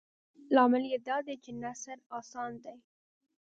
لامل یې دادی چې نثر اسان دی.